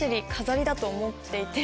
だと思っていて。